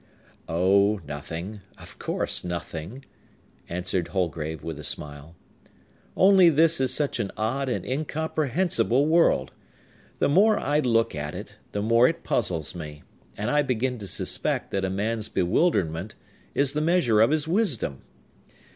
"Oh, nothing,—of course, nothing!" answered Holgrave with a smile. "Only this is such an odd and incomprehensible world! The more I look at it, the more it puzzles me, and I begin to suspect that a man's bewilderment is the measure of his wisdom.